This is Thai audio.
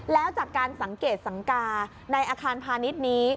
แล้วจากการสังเกตสังกาในอาคารพาณิชย์นี้